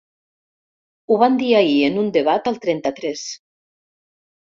Ho van dir ahir en un debat al trenta-tres.